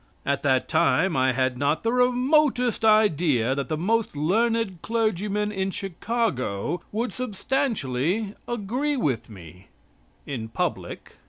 At that time I had not the remotest idea that the most learned clergymen in Chicago would substantially agree with me in public.